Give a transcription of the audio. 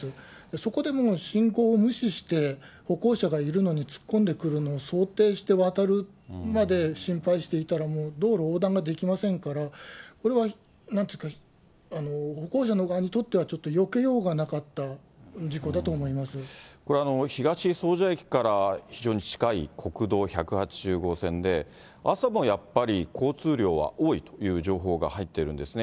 そこでもう信号を無視して、歩行者がいるのに突っ込んでくるのを想定して渡るまで心配していたら、もう道路横断ができませんから、これはなんというか、歩行者の側にとってはちょっとよけようがなかった事故だと思いまこれ、東総社駅から非常に近い国道１８０号線で、朝もやっぱり交通量は多いという情報が入っているんですね。